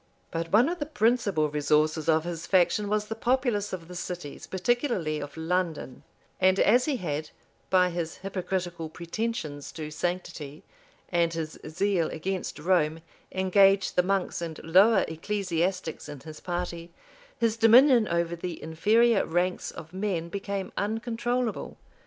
But one of the principal resources of his faction was the populace of the cities, particularly of London; and as he had, by his hypocritical pretensions to sanctity, and his zeal against Rome, engaged the monks and lower ecclesiastics in his party, his dominion over the inferior ranks of men became uncontrollable.